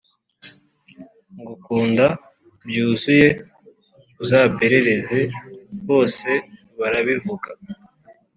ngukunda byuzuyeuzaperereze bose barabivuga